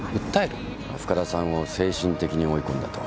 深田さんを精神的に追い込んだと。